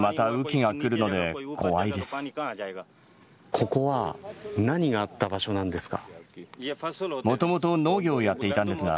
ここは何があった場所なんですか。